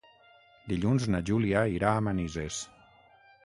Dilluns na Júlia irà a Manises.